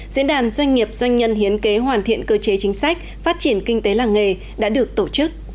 diễn đàn doanh nghiệp doanh nhân hiến kế hoàn thiện cơ chế chính sách phát triển kinh tế làng nghề đã được tổ chức